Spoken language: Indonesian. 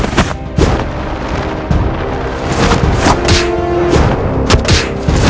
saya memberi sekolah ini kerja hariannya